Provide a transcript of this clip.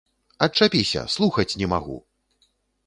Адчапіся, слухаць не магу!